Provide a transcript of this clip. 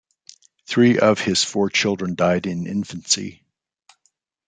Three of his four children died in infancy.